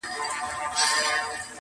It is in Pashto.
پلاره هیڅ ویلای نه سمه کړېږم,